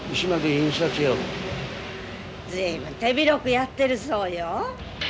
随分手広くやってるそうよ。